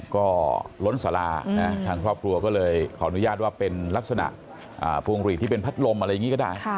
ก็ล้นสาราทางครอบครัวก็เลยขออนุญาตว่าเป็นลักษณะพวงหลีดที่เป็นพัดลมอะไรอย่างนี้ก็ได้